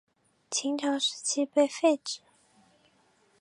秦朝时期被废止。